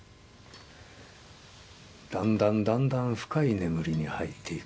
だんだんだんだん深い眠りに入っていくよ。